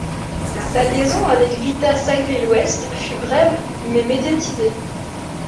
Sa liaison avec Vita Sackville-West fut brève mais médiatisée.